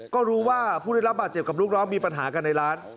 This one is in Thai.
ก็รู้ว่าผู้ได้รับบาดเจ็บกับลูกน้องมีปัญหากันในร้าน